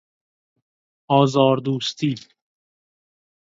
آزاردوستی